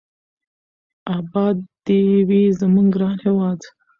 اباد دې وي زموږ ګران هېواد.